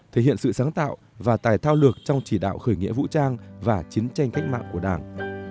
thể hiện sự sáng tạo và tài thao lược trong chỉ đạo khởi nghĩa vũ trang và chiến tranh cách mạng của đảng